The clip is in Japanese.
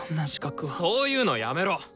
そういうのやめろ。